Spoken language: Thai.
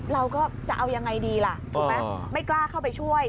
เราก็จะเอายังไงดีล่ะถูกไหมไม่กล้าเข้าไปช่วย